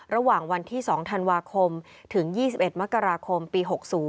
ระหว่างวันที่๒ธันวาคมถึง๒๑มกราคมปี๖๐